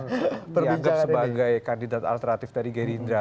ya tadi kan dianggap sebagai kandidat alternatif dari gerindra